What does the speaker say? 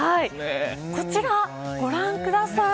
こちら、ご覧下さい。